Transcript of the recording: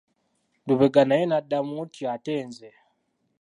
Lubega naye n'addamu nti:"ate nze"